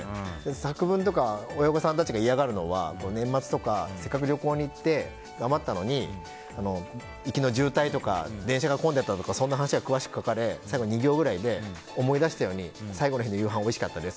作文とか、親御さんたちがいやがるのは、年末とかせっかく旅行に行って頑張ったのに行きの渋滞とか電車が混んでたとかそんな話が詳しく書かれ最後の２行ぐらいで思い出したように最後の夕飯おいしかったです。